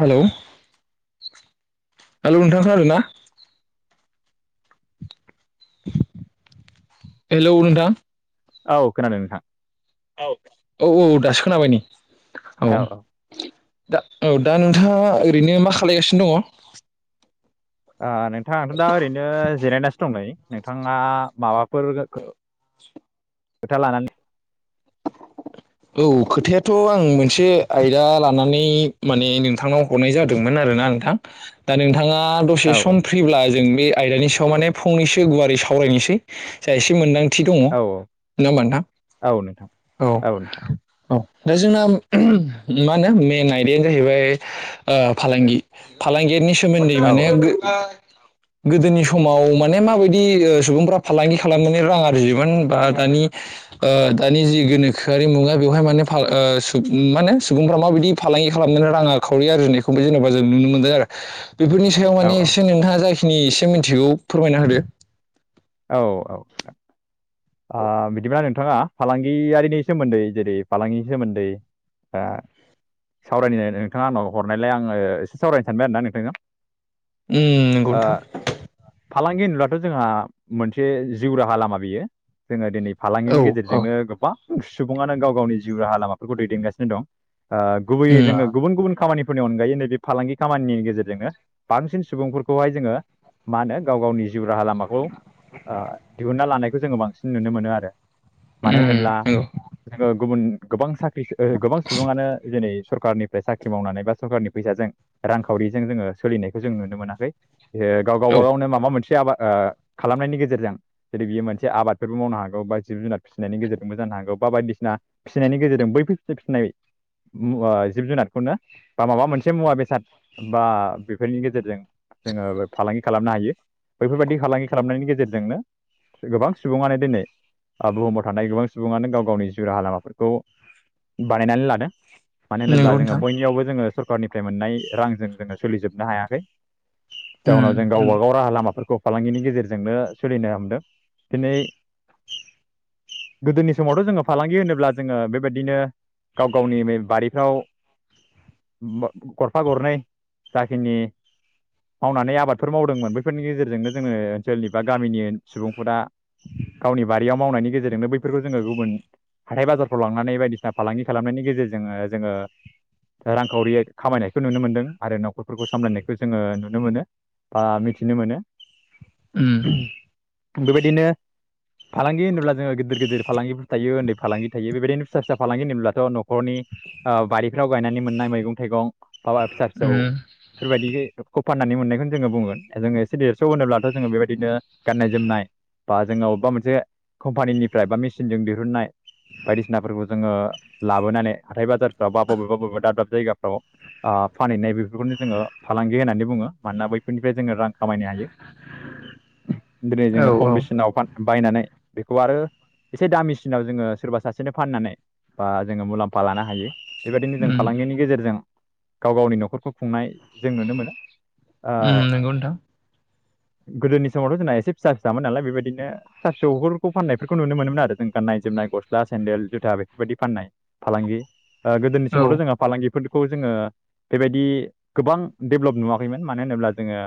Hello hello नोंथां खोनादो ना? हेलौ नोंथां। औ खोनादों नोंथां। औ औ दासो खोनाबाय नै औ दा औ दा नोंथाङा ओरैनो मा खालायगासिनो दङ? ओ नोंथां आंथ' दा ओरैनो जिरायनासो दं नै नोंथाङा माबाफोर खोथा लानानै औ खोथायाथ' आं मोनसे आयदा लानानै माने नोंथांनाव हरनाय जादोंमोन आरो। ना नोंथां दा नोंथाङा दसे औ सम फ्रिब्ला जों बे आयदानि दामाने फंनैसो गुवारै सावरायनोसै जा एसे मोनदां थि दङ ना औ होनबा नोंथां औ नोंथां औ। औ दा जोंना मा होनो मेन आयदायानो जाहैबाय ओ फालांगि फालांगिनि सोमोदै औ माने [unintelligible] गोदोनि समाव माने माबायदि ओ सुबुंफ्रा फालांगि खालामनानै रां आरजियोमोन बा दानि ओ दानि जि गोनो आरि मुगा बेयावहाय माने फा ओ सु माने सुबुंफ्रा माबायदि फालांगि खालामनानै रां खावरि आरजिनायखौ जेनेबा जों नुनो मोनदों आरो। बेफोरनि सायाव औ माने एसे नोंथाङा जाखिनि एसे मिथिगौ फोरमायना होदो। औ औ ओं ओ बिदिबा नों नोंथाङा फालांगियारिनि सोमोन्दै जेरै फालांगिनि सोमोन्दै ओ सावरायनो नोंथाङा आनाव हरनायलाय आङो एसे सावरायनो सानबाय आरोना नोंथांजों। उम नंगौ ओ नोंथां फालांगि होनबा थ' जोंहा मोनसे जिउ राहा लामा बियो जोङो दिनै फालांगिनि औ गेजेरजोंनो गोबां सुबुङानो गाव गावनि जिउ राहा लामाफोरखौ दैदेनगासिनो दं। ओ औ गुबैयै जोङो उम गुबुन गुबुन खामानि नि अनगायै नैबे फालांगि खामानिनि गेजेरजोंनो बांसिन सुबुंफोरखौहाय जोङो मा होनो गाव गावनि जिउ राहा लामाखौ ओ दिहुनना लानायखौ जोङो बांसिन नुनो मोनो आरो। मानो होनोब्ला उम नंगौ जोङो गुबुन गोबां साख्रि ओ गोबां सुबुङानो जेरै सरखारनिफ्राय साख्रि मावनानै बा सरखारनि फैसाजों रांखावरिजों जोङो सोलिनायखौ जों नुनो मोनाखै। ओ गाव गावबा गावनो माबा मोनसे आबाद ओ खालामनायनि गेजेरजों जुदि बियो मोनसे आबाद फोरबो मावनो हागौ बा जिब जुनार फिसिनायनि गेजेरजोंबो जानो हागौ बा बायदिसिना फिसिनायनि गेजेरजों बैफोर फि-फिसिनाय मुवा जिब जुनादखौनो बा माबा मोनसे मुवा बेसाद बा बेफोरनि गेजेरजों जोङो फालांगि खालामनो हायो। बैफोरबायदि फालांगि खालामनायनि गेजेरजोंनो गोबां सु बुङानो दिनै आ बुहुमाव थानाय गोबां सुबुङानो गाव गावनि जिउ राहा लामाफोरखौ बानायनानै लादों। औ मानो नंगौ नोंथां उम नंगौ उम होनोब्ला जोङो बयनियावबो जोङो सरखारनिफ्राय मोननाय रांजों जोङो सोलिजोबनो हायाखै। जाउनाव जों गावबा गाव राहा लामाफोरखौ फालांगिनि गेजेरजोंनो सोलिनो हमदों। दिनै गोदोनि समावथ' जोङो फालांगि होनोब्ला जोङो बेबायदिनो गाव गावनि बारिफ्राव गरफा गरनै जाखिनि मावनानै आबादफोर मावदोंमोन बैफोरनि गेजेरजोंनो जोङो ओनसोलनि बा गामिनि सुबुंफोरा गावनि बारियाव मावनायनि गेजेरजोंनो बैफोरखौ जोङो गुबुन हाथाय बाजारफ्राव लांनानै बायदिसिना फालांगि खालामनायनि गेजेरजों जोङो रांखावरि खामायनायखौ नुनो मोनदों आरो न'खरफोरखौ सामलायनायखौ जोङो नुनो मोनो। बा मिथिनो मोनो। ओम। बेबायदिनो फालांगि होनोब्ला जोङो गिदिर गिदिर फालांगिफोर थायो उन्दै फालांगि थायो बेबायदिनो फिसा फिसा फालांगि होनोब्लाथ' न'खरनि ओ बारिफ्राव गायनानै मोननाय मैगं थाइगं बाबा फिसा फिसौ बेफोरबायदिखौ फाननानै मोननायखौनो जोङो बुंगोन जोङो एसे देरस' होनोब्लाथ' जोङो बेबायदिनो गाननाय जोमनाय बा जोङो अबेबा मोनसे कम्पानिनिफ्राय बा मेसिनजों दिरुननाय बायदिसिनाफोरखौ जोङो लाबोनानै हाथाय बाजारफ्राव बा बबेबा बबेबा दाब दाब जायगाफ्राव आ फानहैनाय बेफोरखौनो जोङो फालांगि होननानै बुङो मानोना बैफोरनिफ्राय जोङो रां खामायनो हायो। [unintelligible] दिनै जोङो औ औ खम बेसेनाव बान बायनानै बेखौ आरो एसे दामिसिनाव जोङो सोरबा सासेनो फाननानै बा जोङो मुलाम्फा लानो हायो बेबायदिनो जों उम फालांगिनि गेजेरजों गाव गावनि न'खरखौ खुंनाय जों नुनो मोनो ओ उम नंगौ नोंथां। गोदोनि समावथ' जोंना एसे फिसा फिसामोन नालाय बेबायदि बिदिनो फिसा फिसौफोरखौ फाननायफोरखौ नुनो मोनोमोन आरो जों गाननाय जोमनाय गस्ला सेन्देल जुथा बेफोरबायदि फाननाय फालांगि ओ गोदोनि औ समावथ' जोंहा फालांगि फोरफोरखौ जोङो बेबायदि गोबां डेभेलप नुवाखैमोन मानो होनोब्ला जोङो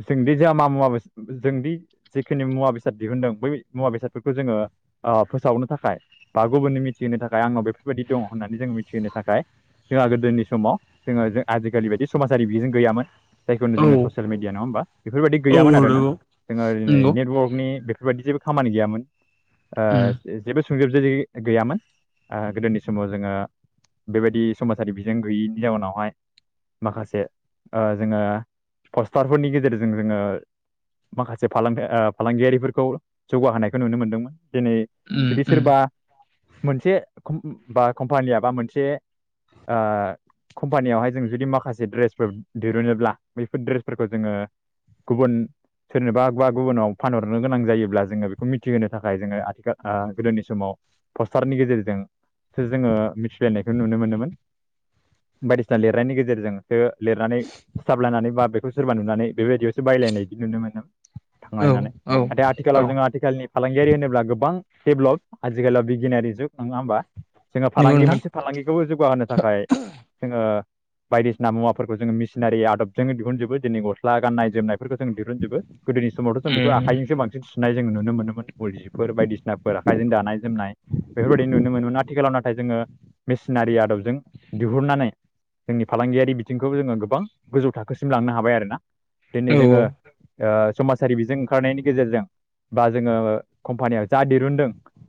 जोंदि जा मा मुवाबो जोंदि जिखिनि मुवा बेसाद दिहुनदों बै मुवा बेसादफोरखौ जोङो ओ फोसावनो थाखाय बा गुबुननो मिथिहोनो थाखा खाय आंनाव बेफोरबायदि दङ' होननानै जोंङो मिथिहोनो थाखाय जोंहा गोदोनि समाव जोङो जोंङो आजिखालि बायदि समाजारि बिजों गैयामोन जायखौनो औ जोङो ससियेल मिडिया नङा होमबा? बेफोरबायदि गैयामोन औ आरोना नंगौ जोङो ओरैनो नंगौ नेटवर्कनि बेफोरबायदि जेबो खामानि गैयामोन उम ओ जेबो सुंजोबजोनि गैयामोन गोदोनि समाव जोङो बेबायदि समाजारि बिजों गैयैनि जाउनावहाय माखासे ओ जोङो पस्टारफोरनि गेजेरजों जोङो माखासे फालांथाइ ओ फालांगियारिफोरखौ जौगाहोनायखौ नुनो मोनदोंमोन दिनै उम जुदि उम सोरबा मोनसे कम बा कम्पानिया बा मोनसे ओ कम्पानियावहाय जों जुदि माखासे ड्रेसफोर दिरुनोब्ला बैफोर ड्रेसफोरखौ जोङो गुबुन सोरनोबा बा गुबुनाव फानहरनो गोनां जायोब्ला जोङो बेखौ मिथिहोनो थाखाय जोङो आथिखाल गोदोनि समाव पस्टारनि गेजेरजोंसो जोङो मिथिलायनायखौ नुनो मोनोमोन। बायदिसिना लिरनायनि गेजेरजोंसो लिरनानै सिथाबलायनानै बा बेखौ सोरबा नुनानै बेबायदियावसो बायलायनाय बिदि नुनो मोनो औ थांलायनानै औ नाथाय आथिखालाव औ जोङो आथिखालनि फालांगियारि होनोब्ला गोबां डेभेलप आथिखालाव बिगियानारि नङा होमबा? जोङो नंगौ फालांगि नोंथां मोनसे फालांगिखौबो जौगाहोनो थाखाय जोङो बायदिसिना मुवाफोरखौ जोङो मिसिनारि आदबजोंनो दिहुनजोबो दिनै गस्ला गाननाय जोमनायफोरखौ जोंङो दिरुनजोबो गोदोनि समावथ' जों बेखौ उम आखाइजोंसो बांसिन सुनाय जोंङो नुनो मोनोमोन उल जिफोर बायदिसिनाफोर आखाइजों दानाय जोमनाय। बेफोरबायदि नुनो मोनोमोन आथिखालाव नाथाय जोङो मेसिनारि आदबजों दिहुननानै जोंनि फालांगियारि बिथिंखौ जोङो गोबां गोजौ थाखोसिम लांनो हाबाय आरोना दिनै औ जोङो ओ समाजारि बिजों ओंखारनायनि गेजेरजों बा जोङो कम्पानियाव जा दिरुनदों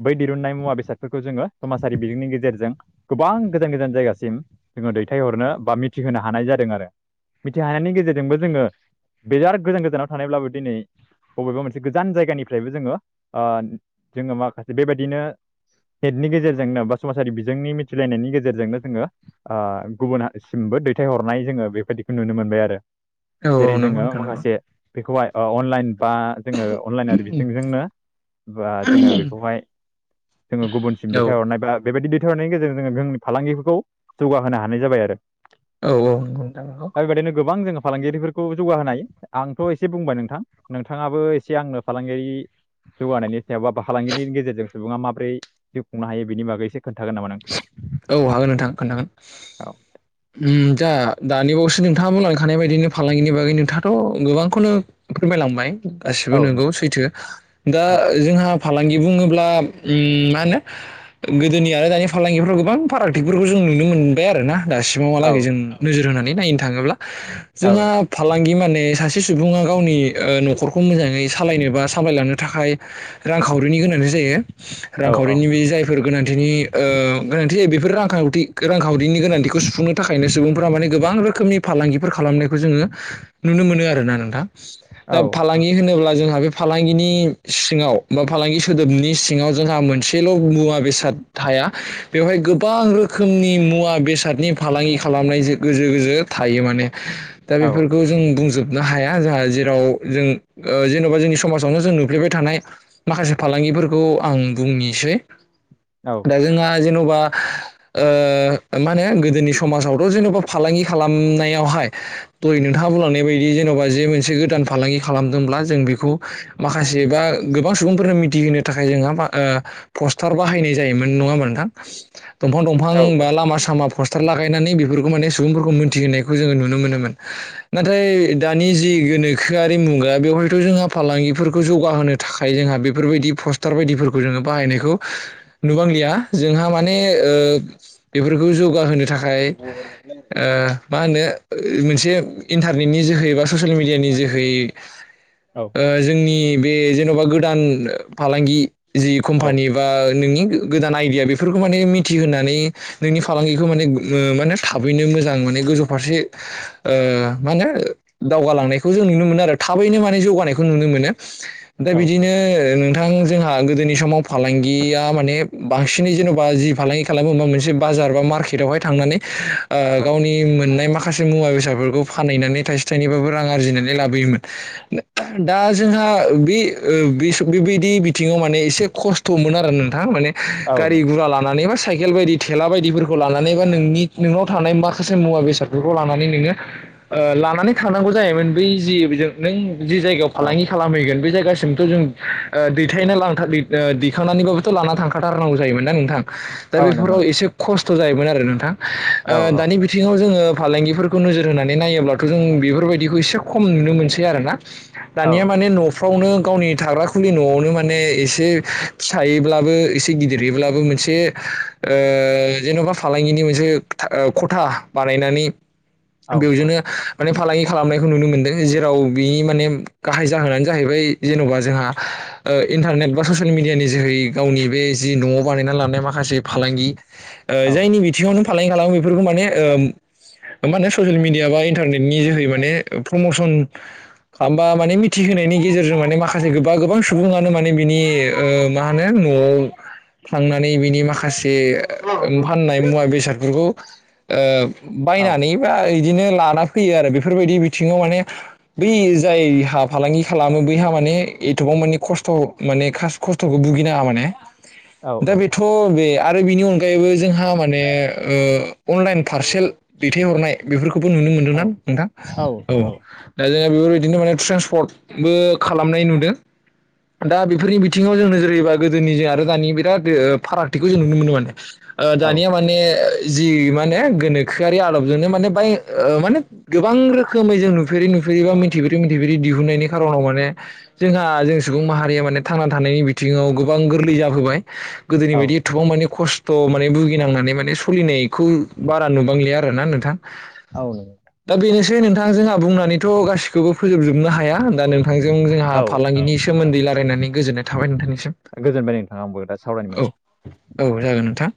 बै दिरुननाय मुवा बेसादफोरखौ जोङो समाजारि बिजोंनि गेजेराव गेजेरजों गोबां गोजान गोजान जायगासिम जोङो दैथायहरनो बा मिथिहोनो हानाय जादों आरो। मिथिहानायनि गेजेरजोंबो जोङो बिराद गोजान गोजानाव थानायब्लाबो दिनै बबेबा मोनसे गोजान जायगानिफ्रायबो जोङो जोङो माखासे बेबायदिनो हेटनि गेजेरजोंनो बा समाजारि बिजोंनि मिथिलायनायनि गेजेरजोंनो जोङो गुबुनसिमबो दैथायहरनाय जोङो बेबायदिखौ नुनो मोनबाय आरो। औ। जेरै औ नंगौ जोङो नोंथां नंगौ माखासे बेखौहाय अनलाइन बा जोङो अनलाइन आरो बिथिंजोंनो बा जोङो बेखौहाय जोङो गुबुनसिम औ दैथायहरनाय बा बेबायदि नायनि गेजेरजों जोङो जोंनि फालांगिफोरखौ जौगाहोनो हानाय जाबाय आरो। औ औ नोंथां। दा बेबायदिनो गोबां जोङो फालांगिरिफोरखौ जौगाहोनाय आंथ' एसे बुंबाय नोंथां नोंथां नोंथाङाबो एसे आंनो फालांगियारि- जौगानायनि सायाव बाबा फालांगिनि गेजेरजों सुबुङा माबोरै जिउ खुंनो हायो बेनि बागै एसे खोनथागोन नामा नों? औ हागोन नोंथां खोन्थागोन औ दा दानिबावसो नोंथाङा बुंलांखानाय बायदिनो फालांगिनि बागै नोंथाङाथ' गोबांखौनो फोरमायलांबाय गासिबो औ नंगौ नोंथां सैथो दा औ जोंहा फालांगि बुङोब्ला मा होनो गोदोनि आरो दानि फालांगिफोरखौ गोबां फारागथिफोरखौ जों नुनो मोनबाय आरो ना दासिमावहालागै औ जों नोजोर होनानै नायनो थाङोब्ला औ जोंहा नोंथां फालांगि माने सासे सुबुङा गावनि न'खरखौ मोजाङै सालायनो बा सालायलांनो थाखाय रांखावरिनि गोनांथि जायो औ औ रांखावरिनि बे जायफोर गोनांथिनि गोनांथि जायो बेफोर रांखावरिनि गोनांथिखौ सुफुंनो थाखायनो सुबुंफोरा माने गोबां रोखोमनि फालांगिफोर खालामनायखौ जोङो नुनो मोनो आरोना नोंथां औ दा फालांगि होनोब्ला जोंहा बे फालांगिनि सिङाव बा फालांगि सोदोबनि सिङाव जोंहा मोनसेल' मुवा बेसाद थाया। [unintelligible] बेवहाय गोबां रोखोमनि मुवा बेसादनि फालांगि खालामनाय गोजो गोजो थायो माने दा औ बेफोरखौ जों बुंजोब हाया जों जेराव जों जेन'बा जोंनि समाजावनो जों नुफ्लेबाय थानाय माखासे फालांगि बेफोरखौ आं बुंनोसै औ दा जोंहा जेनबा मा होनो गोदोनि समाजावथ' जेनबा फालांगि खालामनायाव नोंथाङा बुंलांनाय बायदि जेन'बा जे मोनसे गोदान फालांगि खालामदोंब्ला जों बेखौ माखासे माखासे बा गोबां सुबुंफोरनो मिथिहोनो थाखाय जोंहा पस्टार बाहायनाय जायोमोन नङामोनथां। दंफां दंफां औ बा लामा सामा फ'स्थार। लागायनानै बेफोरखौ माने सुबुंफोरखौ मोनथिहोनायखौ जोङो नुनो मोनोमोन नाथाय दानि जि गोनोखोआरि मुगा बेवहायथ' जोंहा फालांगिफोरखौ जौगाहोनो थाखाय जोंहा बेफोरबायदि पस्टार बायदिफोरखौ जोङो बाहायनायखौ नुबांलिया जोंहा माने बेफोरखौ जौगाहोनो थाखाय मा होनो मोनसे इन्टारनेटनि जोहै बा ससियेल मिडियानि जोहै जोंनि बे जेन'बा गोदान फालांगि जि औ कम्पानि बा नोंनि गोदान आइदिया बेफोरखौ माने मिथिहोनानै नोंनि फालांगिखौ माने माने थाबैनो मोजां माने गोजौ फारसे मा होनो दावगालांनायखौ जों नुनो मोनो आरो थाबैनो माने जौगानायखौ नुनो मोनो दा बिदिनो नोंथां जोंहा गोदोनि समाव फालांगिया माने बांसिन बिनि जेन'बा जि फालांगि खालामोा मोनसे बाजार बा मार्केटआवहाय थांनानै औ गावनि मोननाय मा माखासे मुवा बेादफोरखौ फाननानै थाइसे थाइनैबाबो रां आरजिनानै लाबोयोमोन। दा जोंहा बे बेबायदि बिथिङाव माने एसे खस्थ'मोन आरो नोंथां माने औ औ गारि गुरा लानानैबा साइकेल बायदि थेला बायदिफोरखौ लानानै बा नोंनि नोंनाव थानाय माखासे मुवा बेसादफोरखौ लानानै नोङो ओ लानानै थांनांगौ जायोमोन बै जि बिजों नों जि जायगायाव औ फालांगि खालामहैगोन बै जायगासिम। थिंथ' जों ओ दैथायना लांथा ओ दैखांनानैबाबोथ' लाना थांखाथारनांगौ जायोमोन ना नोंथां। दा औ नंगौ बेफोराव नोंथां एसे खस्थ' जायोमोन आरो नोंथां ओ औ औ दानि बिथिङाव जोङो फालांगिफोरखौ नोजोर होनानै नायोब्लाथ' जों बेफोरबायदिखौ एसे खम नुनो मोनसै आरोना। दानिया औ माने न' फ्रावनो गावनि थाग्रा खुलि न'आवनो माने एसे फिसायैब्लाबो एसे गिद दिरहैब्लाबो मोनसे ओ जेन'बा फालांगिनि मोनसे खथा खथा बानायनानै औ बेवजोंनो माने फालांगि खालामनायखौ नुनो मोनदों जेराव बिनि माने गाहाय जाहोनानो जाहैबाय जेन'बा जोंहा ओ इन्टारनेट बा ससियेल मिडियानि जोहै गावनि बे जि न'आव बानायना लानाय माखासे फालांगि ओ औ जायनि बिथिङावनो फालांगि खालामो बेफोरखौ माने ओ माने ससियेल मिडिया बा इन्टारनेटनि जोहै माने प्रमसन खामबा माने मिथिहोनायनि गेजेरजों माने माखासे गोबा गोबां सुबुङानो माने बिनि मा होनो ओं थांनानै बिनि माखासे फाननाय मुवा बेसादफोरखौ ओ औ बायनानै बा बिदिनो लाना फैयो आरो बेफोरबायदि बिथिङाव माने बै जायहा फालांगि खालामो बैहा माने माने एथबां माने खस्थ' माने खास खस्थ'खौ भुगिनाङा माने दा औ बिथ' बे आरो बिनि अनगायैबो जोंहा माने ओ अनलाइन पारसेल दैथायहरनाय बेफोरखौ बो नुनो मोन्दों औ ना नोंथां औ दा जोङो बेफोरबायदिनो माने ट्रेन्सपर्टबो खालामनाय नुदों। दा बेफोरनि बिथिङाव जों नोजोर होयोबा गोदोनि जों आरो दानि बिराद ओ फारागथिखौ जों नुनो मोनो माने दानिया माने जि माने गोनोखोआरि आदबजोंनो माने बै माने गोबां रोखोमै जों नुफेरै नु फेरि बा मिथिफेर मिथिफेरै दिहुननायनि खारनाव माने जोंहा जों सुबुं माहारिया माने थांना थानायनि बिथिं थिङाव गोबां गोरलै जाबोबाय गोदोनि औ बायदि एथबां माने खस्थ' थ' माने भुगिनांनानै माने सलिनायखौ बारा नुबांलिया आरोना नोंथां। औ नोंथां। जे नोंथां जोंहा बुंनानैथ' गासिखौबो फोजोबजोबनो हाया दा नोंथांजों जोंहा औ फालांगिनि सोमोन दै लायरायनानै गोजोननाय थाबाय नोंथांनि गोजोनबाय नोंथां आंबो दा सावरायनोमोन औ। जागोन नोंथां